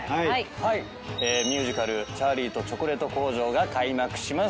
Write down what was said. ミュージカル『チャーリーとチョコレート工場』が開幕します。